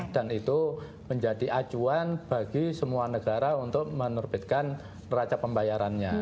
dan itu menjadi acuan bagi semua negara untuk menurbitkan neraca pembayarannya